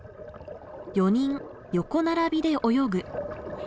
「４人横並びで泳ぐ」。